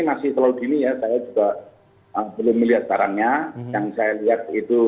tapi sejauh ini sudah ada pak hasil penyelidikan untuk sementara waktu